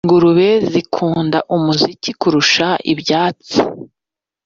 Ingurube zikunda umuziki kurusha ibyatsi